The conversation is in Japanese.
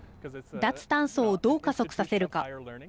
脱炭素をどう加速させるか。